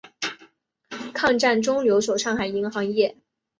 抗战中留守上海银行业。